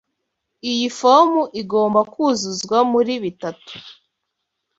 Iyi fomu igomba kuzuzwa muri bitatu.